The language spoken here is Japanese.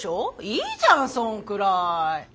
いいじゃんそんくらい。